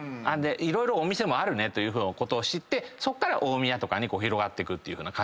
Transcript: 色々お店もあるねということを知ってそっから大宮とかに広がっていく感じになってますね。